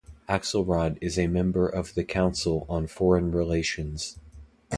Axelrod is a member of the Council on Foreign Relations.